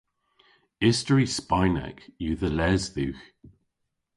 Istori spaynek yw dhe les dhywgh.